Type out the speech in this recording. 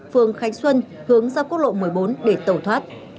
phường khánh xuân hướng ra quốc lộ một mươi bốn để tẩu thoát